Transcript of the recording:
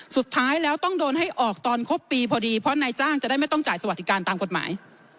สุดท้ายแล้วต้องโดนให้ออกตอนครบปีพอดีเพราะนายจ้างจะได้ไม่ต้องจ่ายสวัสดิการตามกฎหมาย